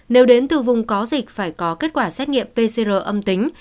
nếu đến từ vùng có dịch phải có kết quả xét nghiệm pcr âm tính